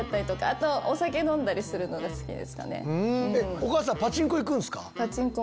お母さんパチンコ行くんすか？